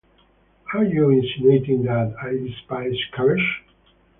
Are you insinuating that I despise cabbage?